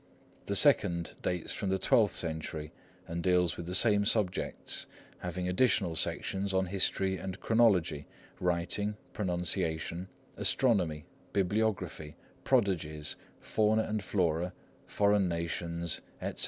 The second dates from the twelfth century, and deals with the same subjects, having additional sections on History and Chronology, Writing, Pronunciation, Astronomy, Bibliography, Prodigies, Fauna and Flora, Foreign Nations, etc.